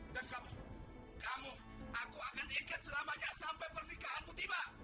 dan kamu kamu aku akan ikat selamanya sampai pernikahanmu tiba